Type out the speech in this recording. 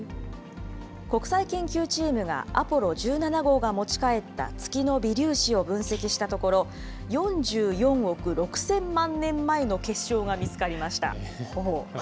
国際研究チームがアポロ１７号が持ち帰った月の微粒子を分析したところ、４４億６０００万年前の結晶が見つかりました。